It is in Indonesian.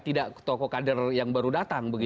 tidak tokoh kader yang baru datang begitu ya